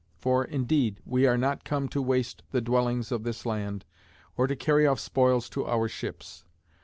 For, indeed, we are not come to waste the dwellings of this land, or to carry off spoils to our ships.